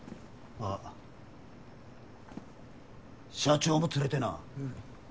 あっ社長も連れてな。